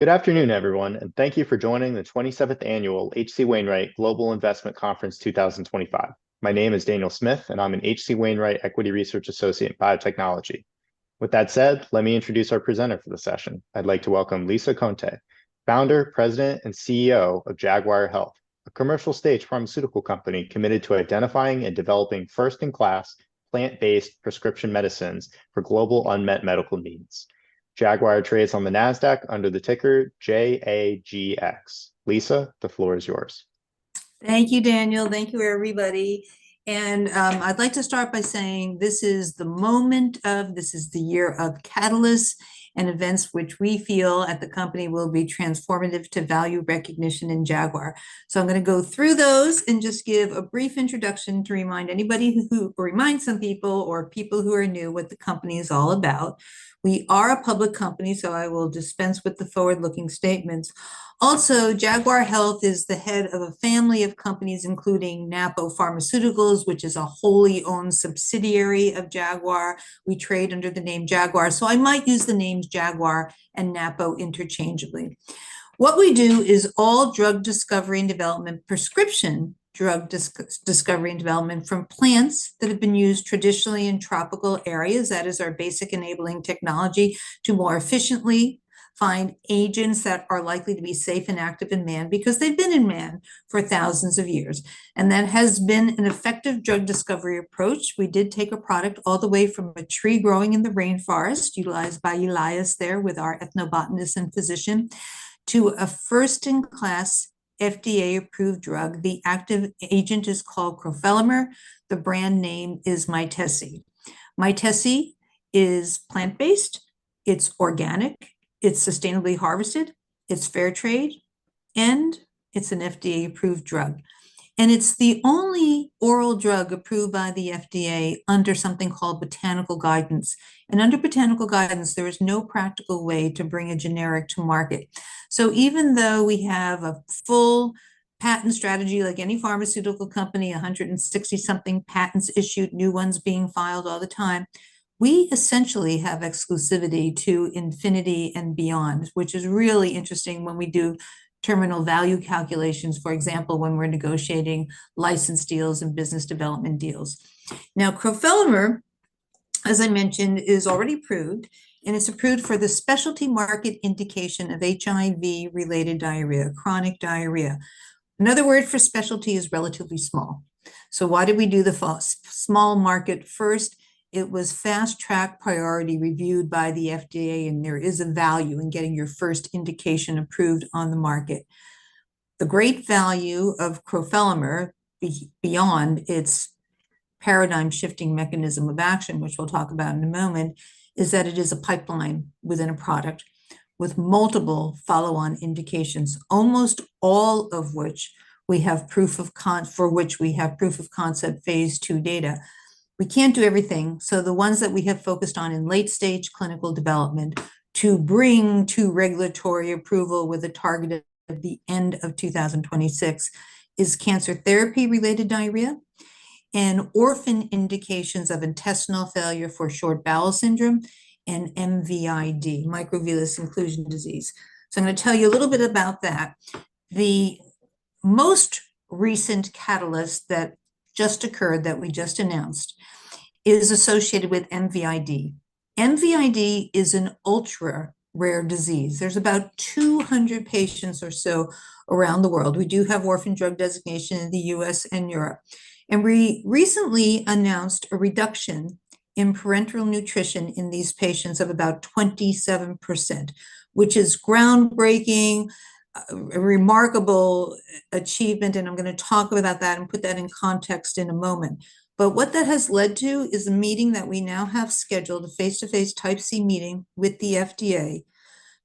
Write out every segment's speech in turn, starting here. ... Good afternoon, everyone, and thank you for joining the twenty-seventh Annual H.C. Wainwright Global Investment Conference 2025. My name is Daniel Smith, and I'm an H.C. Wainwright Equity Research Associate in Biotechnology. With that said, let me introduce our presenter for the session. I'd like to welcome Lisa Conte, Founder, President, and CEO of Jaguar Health, a commercial-stage pharmaceutical company committed to identifying and developing first-in-class, plant-based prescription medicines for global unmet medical needs. Jaguar trades on the Nasdaq under the ticker JAGX. Lisa, the floor is yours. Thank you, Daniel. Thank you, everybody. I'd like to start by saying this is the year of catalysts and events which we feel at the company will be transformative to value recognition in Jaguar. So I'm gonna go through those and just give a brief introduction to remind anybody or remind some people or people who are new what the company is all about. We are a public company, so I will dispense with the forward-looking statements. Also, Jaguar Health is the head of a family of companies, including Napo Pharmaceuticals, which is a wholly owned subsidiary of Jaguar. We trade under the name Jaguar, so I might use the names Jaguar and Napo interchangeably. What we do is all drug discovery and development, prescription drug discovery and development from plants that have been used traditionally in tropical areas. That is our basic enabling technology to more efficiently find agents that are likely to be safe and active in man, because they've been in man for thousands of years, and that has been an effective drug discovery approach. We did take a product all the way from a tree growing in the rainforest, utilized by Elias there with our ethnobotanist and physician, to a first-in-class FDA-approved drug. The active agent is called crofelemer. The brand name is Mytesi. Mytesi is plant-based, it's organic, it's sustainably harvested, it's fair trade, and it's an FDA-approved drug, and it's the only oral drug approved by the FDA under something called botanical guidance, and under botanical guidance, there is no practical way to bring a generic to market. So even though we have a full patent strategy like any pharmaceutical company, a hundred and sixty-something patents issued, new ones being filed all the time, we essentially have exclusivity to infinity and beyond, which is really interesting when we do terminal value calculations, for example, when we're negotiating license deals and business development deals. Now, crofelemer, as I mentioned, is already approved, and it's approved for the specialty market indication of HIV-related diarrhea, chronic diarrhea. Another word for specialty is relatively small. So why did we do the small market first? It was fast-track priority reviewed by the FDA, and there is a value in getting your first indication approved on the market. The great value of crofelemer, beyond its paradigm-shifting mechanism of action, which we'll talk about in a moment, is that it is a pipeline within a product with multiple follow-on indications, almost all of which we have proof of concept phase 2 data. We can't do everything, so the ones that we have focused on in late-stage clinical development to bring to regulatory approval, with a target of the end of 2026, is cancer therapy-related diarrhea and orphan indications of intestinal failure for short bowel syndrome and MVID, microvillus inclusion disease. So I'm gonna tell you a little bit about that. The most recent catalyst that just occurred, that we just announced, is associated with MVID. MVID is an ultra-rare disease. There's about two hundred patients or so around the world. We do have orphan drug designation in the U.S. and Europe, and we recently announced a reduction in parenteral nutrition in these patients of about 27%, which is groundbreaking, a remarkable achievement, and I'm gonna talk about that and put that in context in a moment. But what that has led to is a meeting that we now have scheduled, a face-to-face Type C meeting with the FDA,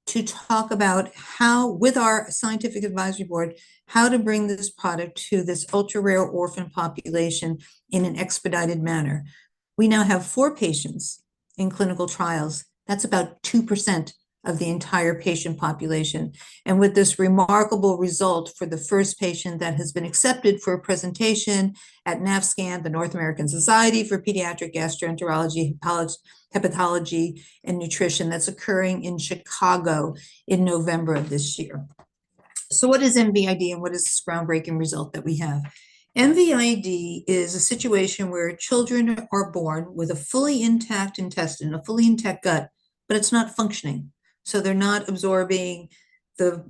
to talk about how, with our scientific advisory board, how to bring this product to this ultra-rare orphan population in an expedited manner. We now have four patients in clinical trials. That's about 2% of the entire patient population, and with this remarkable result for the first patient, that has been accepted for a presentation at NASPGHAN, the North American Society for Pediatric Gastroenterology, Hepatology, and Nutrition. That's occurring in Chicago in November of this year. So what is MVID, and what is this groundbreaking result that we have? MVID is a situation where children are born with a fully intact intestine, a fully intact gut, but it's not functioning, so they're not absorbing the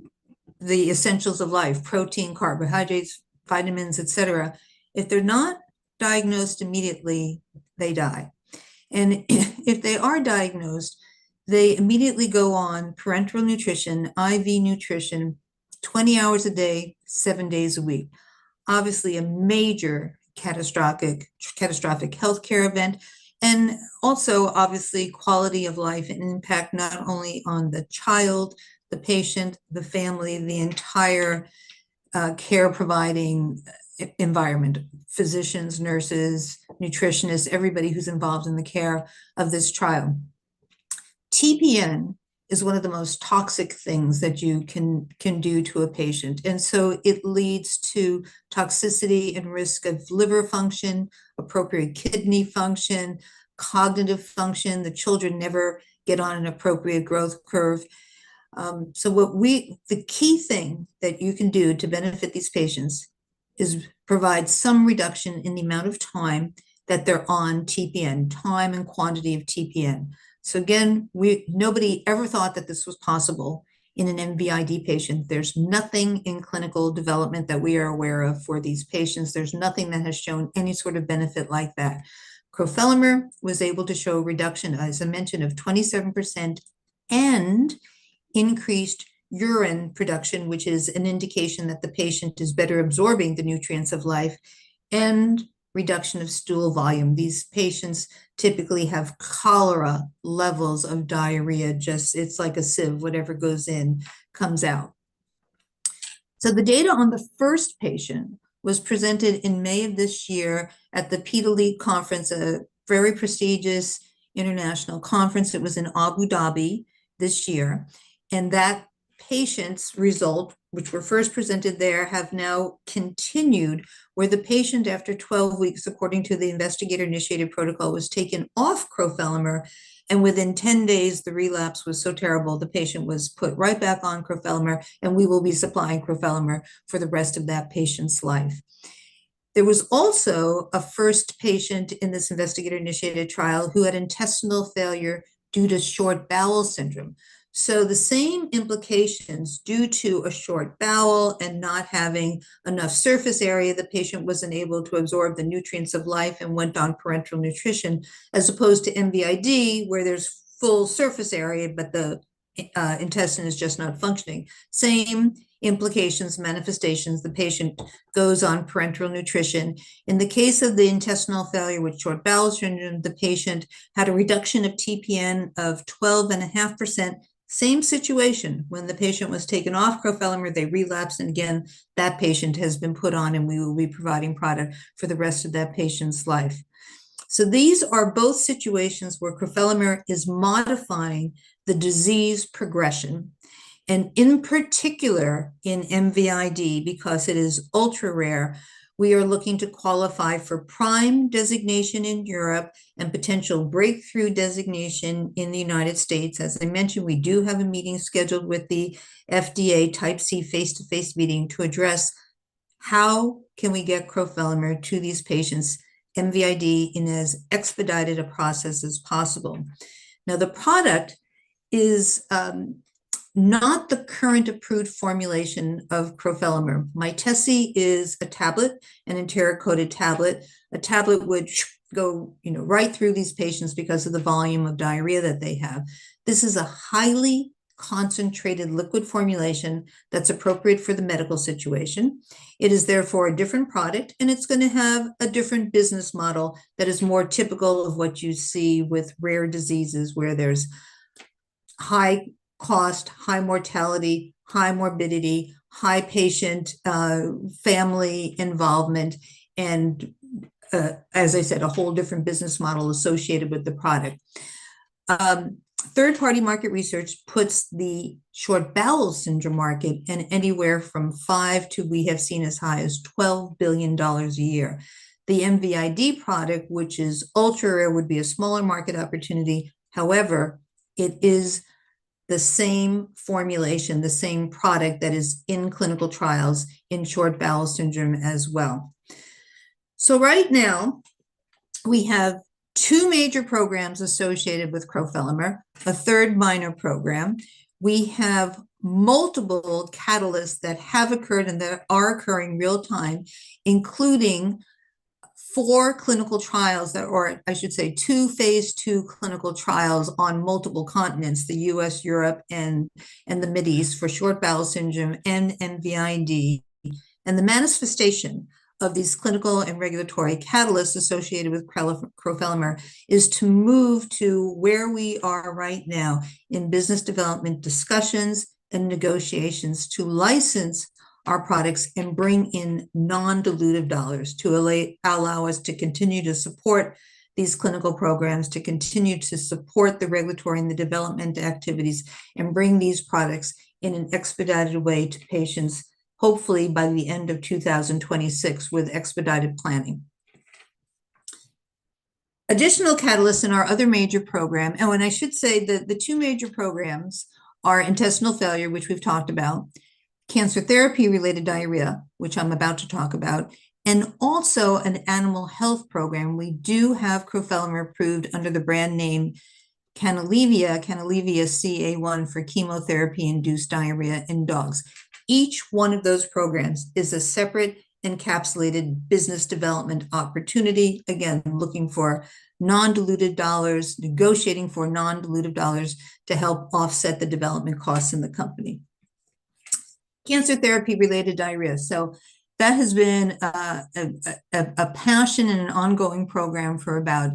essentials of life, protein, carbohydrates, vitamins, et cetera. If they're not diagnosed immediately, they die, and if they are diagnosed, they immediately go on parenteral nutrition, IV nutrition, 20 hours a day, 7 days a week. Obviously, a major catastrophic healthcare event, and also, obviously, quality of life impact not only on the child, the patient, the family, the entire care-providing environment, physicians, nurses, nutritionists, everybody who's involved in the care of this child. TPN is one of the most toxic things that you can do to a patient, and so it leads to toxicity and risk of liver function, appropriate kidney function, cognitive function. The children never get on an appropriate growth curve. The key thing that you can do to benefit these patients is provide some reduction in the amount of time that they're on TPN, time and quantity of TPN. So again, nobody ever thought that this was possible in an MVID patient. There's nothing in clinical development that we are aware of for these patients. There's nothing that has shown any sort of benefit like that. Crofelemer was able to show a reduction, as I mentioned, of 27% and increased urine production, which is an indication that the patient is better absorbing the nutrients of life, and reduction of stool volume. These patients typically have cholera levels of diarrhea. It's like a sieve, whatever goes in, comes out. The data on the first patient was presented in May of this year at the PD League conference, a very prestigious international conference. It was in Abu Dhabi this year, and that patient's result, which were first presented there, have now continued, where the patient, after 12 weeks, according to the investigator-initiated protocol, was taken off crofelemer, and within 10 days, the relapse was so terrible, the patient was put right back on crofelemer, and we will be supplying crofelemer for the rest of that patient's life. There was also a first patient in this investigator-initiated trial who had intestinal failure due to short bowel syndrome. The same implications due to a short bowel and not having enough surface area, the patient was unable to absorb the nutrients of life and went on parenteral nutrition, as opposed to MVID, where there's full surface area, but the intestine is just not functioning. Same implications, manifestations, the patient goes on parenteral nutrition. In the case of the intestinal failure with short bowel syndrome, the patient had a reduction of TPN of 12.5%. Same situation, when the patient was taken off crofelemer, they relapsed, and again, that patient has been put on, and we will be providing product for the rest of that patient's life. These are both situations where crofelemer is modifying the disease progression, and in particular, in MVID, because it is ultra-rare, we are looking to qualify for PRIME designation in Europe and potential breakthrough designation in the United States. As I mentioned, we do have a meeting scheduled with the FDA, Type C face-to-face meeting, to address how can we get crofelemer to these patients, MVID, in as expedited a process as possible? Now, the product is not the current approved formulation of crofelemer. Mytesi is a tablet, an enteric-coated tablet. A tablet would go, you know, right through these patients because of the volume of diarrhea that they have. This is a highly concentrated liquid formulation that's appropriate for the medical situation. It is therefore a different product, and it's gonna have a different business model that is more typical of what you see with rare diseases, where there's high cost, high mortality, high morbidity, high patient, family involvement, and, as I said, a whole different business model associated with the product. Third-party market research puts the short bowel syndrome market in anywhere from $5 billion to, we have seen, as high as $12 billion a year. The MVID product, which is ultra-rare, would be a smaller market opportunity. However, it is the same formulation, the same product that is in clinical trials in short bowel syndrome as well. So right now, we have two major programs associated with crofelemer, a third minor program. We have multiple catalysts that have occurred and that are occurring real time, including four clinical trials that... or I should say, two phase 2 clinical trials on multiple continents, the U.S., Europe, and the Mideast, for short bowel syndrome and MVID. The manifestation of these clinical and regulatory catalysts associated with crofelemer is to move to where we are right now in business development discussions and negotiations to license our products and bring in non-dilutive dollars, to allow us to continue to support these clinical programs, to continue to support the regulatory and the development activities, and bring these products in an expedited way to patients, hopefully by the end of 2026, with expedited planning. Additional catalysts in our other major program. I should say that the two major programs are intestinal failure, which we've talked about, cancer therapy-related diarrhea, which I'm about to talk about, and also an animal health program. We do have crofelemer approved under the brand name Canilevia, Canilevia CA1 for chemotherapy-induced diarrhea in dogs. Each one of those programs is a separate, encapsulated business development opportunity, again, looking for non-dilutive dollars, negotiating for non-dilutive dollars to help offset the development costs in the company. Cancer therapy-related diarrhea. That has been a passion and an ongoing program for about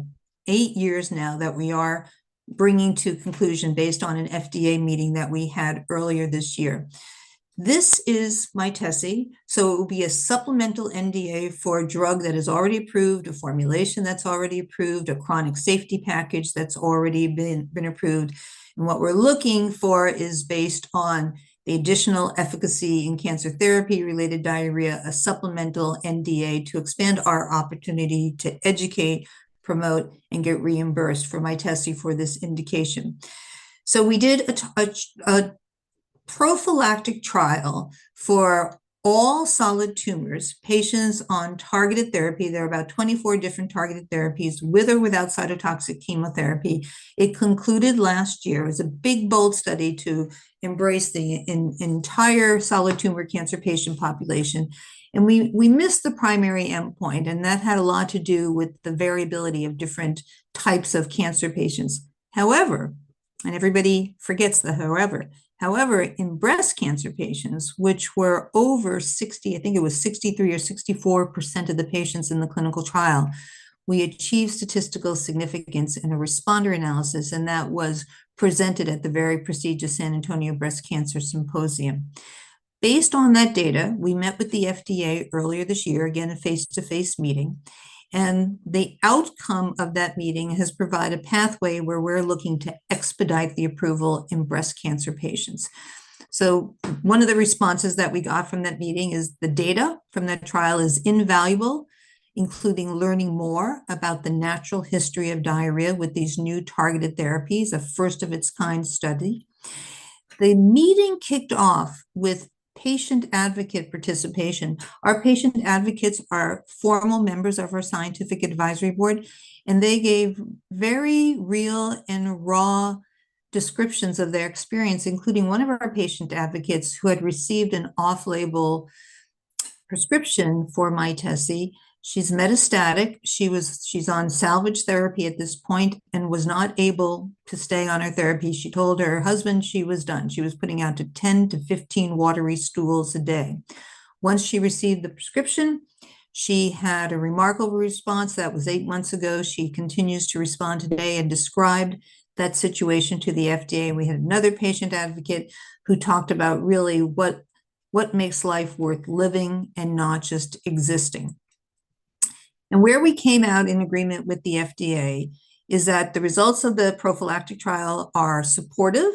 eight years now that we are bringing to conclusion based on an FDA meeting that we had earlier this year. This is Mytesi, so it will be a supplemental NDA for a drug that is already approved, a formulation that's already approved, a chronic safety package that's already been approved, and what we're looking for is based on the additional efficacy in cancer therapy-related diarrhea, a supplemental NDA to expand our opportunity to educate, promote, and get reimbursed for Mytesi for this indication. We did a prophylactic trial for all solid tumors, patients on targeted therapy. There are about 24 different targeted therapies, with or without cytotoxic chemotherapy. It concluded last year. It was a big, bold study to embrace the entire solid tumor cancer patient population, and we missed the primary endpoint, and that had a lot to do with the variability of different types of cancer patients. However, and everybody forgets the however, however, in breast cancer patients, which were over 60%. I think it was 63 or 64% of the patients in the clinical trial, we achieved statistical significance in a responder analysis, and that was presented at the very prestigious San Antonio Breast Cancer Symposium. Based on that data, we met with the FDA earlier this year, again, a face-to-face meeting, and the outcome of that meeting has provided a pathway where we're looking to expedite the approval in breast cancer patients. So one of the responses that we got from that meeting is the data from that trial is invaluable, including learning more about the natural history of diarrhea with these new targeted therapies, a first-of-its-kind study. The meeting kicked off with patient advocate participation. Our patient advocates are formal members of our scientific advisory board, and they gave very real and raw descriptions of their experience, including one of our patient advocates, who had received an off-label prescription for Mytesi. She's metastatic. She's on salvage therapy at this point and was not able to stay on her therapy. She told her husband she was done. She was putting out 10 to 15 watery stools a day. Once she received the prescription, she had a remarkable response. That was eight months ago. She continues to respond today and described that situation to the FDA. We had another patient advocate who talked about really what makes life worth living and not just existing, and where we came out in agreement with the FDA is that the results of the prophylactic trial are supportive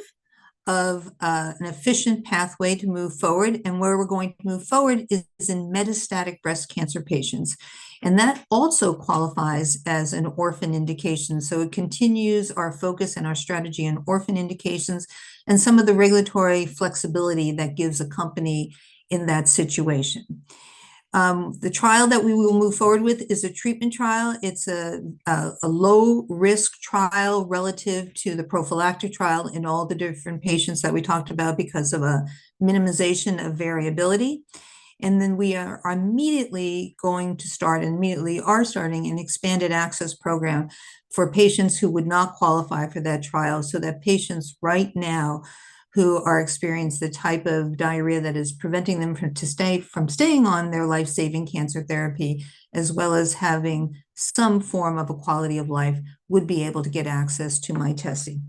of an efficient pathway to move forward, and where we're going to move forward is in metastatic breast cancer patients, and that also qualifies as an orphan indication, so it continues our focus and our strategy on orphan indications and some of the regulatory flexibility that gives a company in that situation. The trial that we will move forward with is a treatment trial. It's a low-risk trial relative to the prophylactic trial in all the different patients that we talked about because of a minimization of variability, and then we are immediately going to start, and immediately are starting, an expanded access program for patients who would not qualify for that trial, so that patients right now who are experienced the type of diarrhea that is preventing them from staying on their life-saving cancer therapy, as well as having some form of a quality of life, would be able to get access to Mytesi.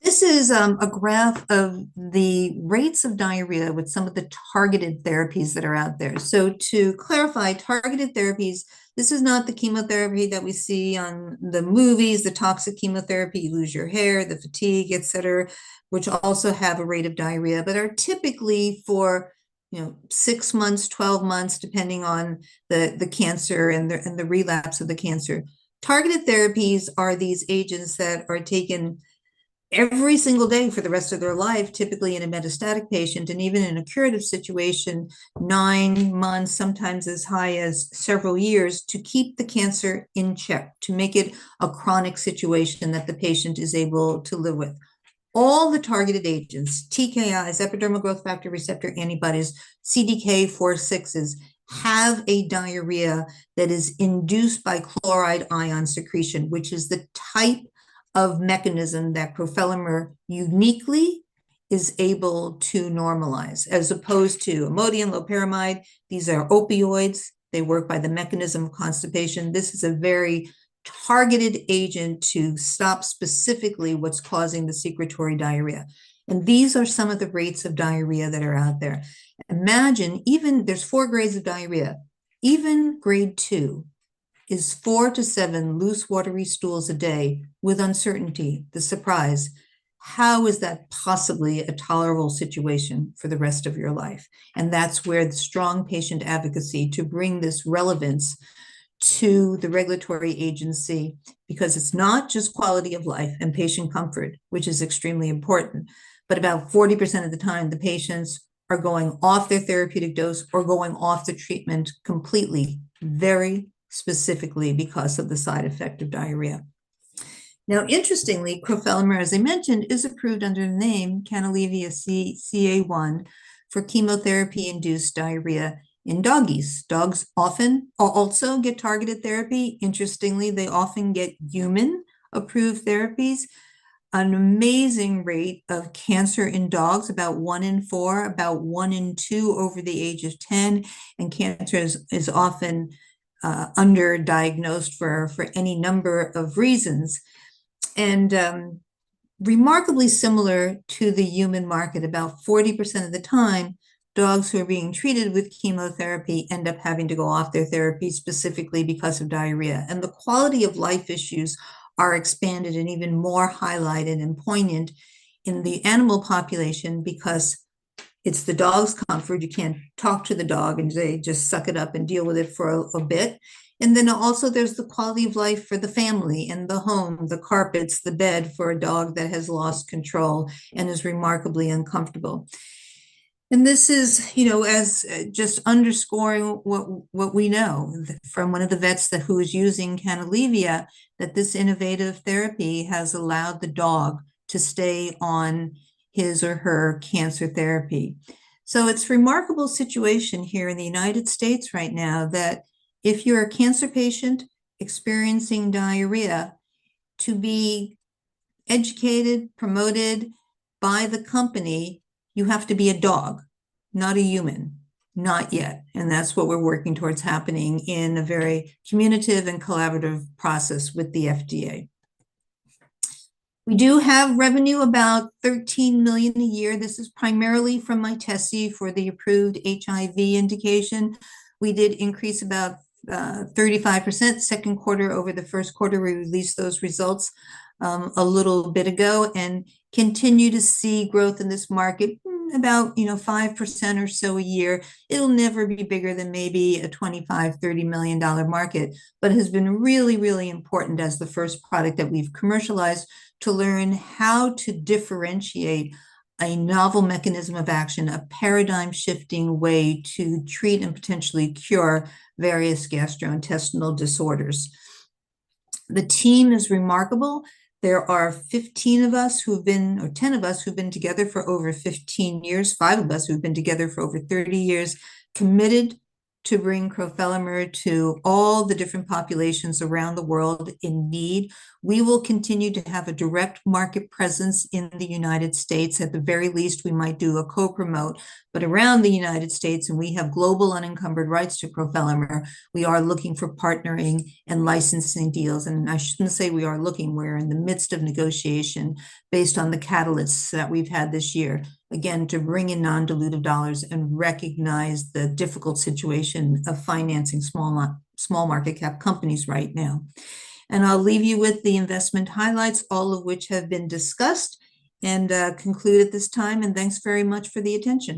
This is a graph of the rates of diarrhea with some of the targeted therapies that are out there. So, to clarify, targeted therapies. This is not the chemotherapy that we see in the movies, the toxic chemotherapy, you lose your hair, the fatigue, et cetera, which also have a rate of diarrhea, but are typically for, you know, six months, 12 months, depending on the cancer and the relapse of the cancer. Targeted therapies are these agents that are taken every single day for the rest of their life, typically in a metastatic patient, and even in a curative situation, nine months, sometimes as high as several years, to keep the cancer in check, to make it a chronic situation that the patient is able to live with. All the targeted agents, TKIs, epidermal growth factor receptor antibodies, CDK4/6s, have a diarrhea that is induced by chloride ion secretion, which is the type of mechanism that crofelemer uniquely is able to normalize, as opposed to Imodium, loperamide. These are opioids. They work by the mechanism of constipation. This is a very targeted agent to stop specifically what's causing the secretory diarrhea, and these are some of the rates of diarrhea that are out there. Imagine, even... There's four grades of diarrhea. Even Grade Two is four to seven loose, watery stools a day with uncertainty, the surprise. How is that possibly a tolerable situation for the rest of your life? And that's where the strong patient advocacy to bring this relevance to the regulatory agency, because it's not just quality of life and patient comfort, which is extremely important, but about 40% of the time, the patients are going off their therapeutic dose or going off the treatment completely, very specifically because of the side effect of diarrhea. Now, interestingly, crofelemer, as I mentioned, is approved under the name Canilevia CA1 for chemotherapy-induced diarrhea in doggies. Dogs often also get targeted therapy. Interestingly, they often get human-approved therapies. An amazing rate of cancer in dogs, about one in four, about one in two over the age of 10, and cancer is often underdiagnosed for any number of reasons. Remarkably similar to the human market, about 40% of the time, dogs who are being treated with chemotherapy end up having to go off their therapy specifically because of diarrhea, and the quality-of-life issues are expanded and even more highlighted and poignant in the animal population because it's the dog's comfort. You can't talk to the dog, and they just suck it up and deal with it for a bit. Then also, there's the quality of life for the family and the home, the carpets, the bed, for a dog that has lost control and is remarkably uncomfortable. And this is, you know, as just underscoring what we know from one of the vets who is using Canilevia, that this innovative therapy has allowed the dog to stay on his or her cancer therapy. So it's a remarkable situation here in the United States right now, that if you're a cancer patient experiencing diarrhea, to be educated, promoted by the company, you have to be a dog, not a human, not yet, and that's what we're working towards happening in a very communicative and collaborative process with the FDA. We do have revenue, about $13 million a year. This is primarily from Mytesi for the approved HIV indication. We did increase about 35% second quarter over the first quarter. We released those results a little bit ago, and continue to see growth in this market, about, you know, 5% or so a year. It'll never be bigger than maybe a $25-$30 million market, but has been really, really important as the first product that we've commercialized, to learn how to differentiate a novel mechanism of action, a paradigm-shifting way to treat and potentially cure various gastrointestinal disorders. The team is remarkable. There are 15 of us who've been... or 10 of us who've been together for over 15 years, five of us who've been together for over 30 years, committed to bring crofelemer to all the different populations around the world in need. We will continue to have a direct market presence in the United States. At the very least, we might do a co-promote. But around the United States, and we have global unencumbered rights to crofelemer, we are looking for partnering and licensing deals. And I shouldn't say we are looking; we're in the midst of negotiation based on the catalysts that we've had this year, again, to bring in non-dilutive dollars and recognize the difficult situation of financing small market cap companies right now. And I'll leave you with the investment highlights, all of which have been discussed, and conclude at this time, and thanks very much for the attention.